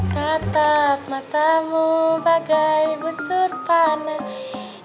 tatap matamu bagai busur tanah